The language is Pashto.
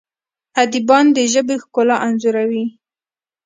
ادیبان د ژبې ښکلا انځوروي.